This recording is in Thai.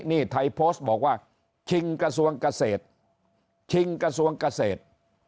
นี่ไทยโพสต์บอกว่าชิงกระทรวงเกษตรชิงกระทรวงเกษตร